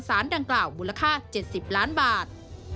สารดังกล่าวมูลค่า๗๐ล้านบาท